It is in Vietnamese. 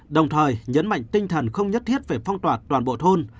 đồng thời nhấn mạnh tinh thần không nhất thiết về phong tỏa toàn bộ thôn